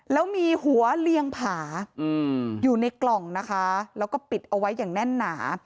แล้วมีหัวเลียงผาอยู่ในกล่องนะคะแล้วก็ปิดเอาไว้อย่างแน่นหนา